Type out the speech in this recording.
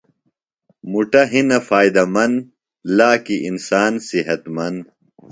مُٹہ ہِنہ فائدہ مند، لاکیۡ انسان صحت مند